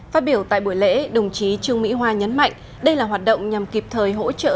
phát biểu tại buổi lễ đồng chí trương mỹ hoa nhấn mạnh đây là hoạt động nhằm kịp thời hỗ trợ